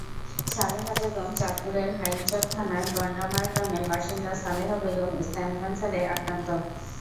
ছালেহা বেগমচাঁদপুরের হাইমচর থানার গণ্ডামারা গ্রামের বাসিন্দা ছালেহা বেগম স্তন ক্যানসারে আক্রান্ত।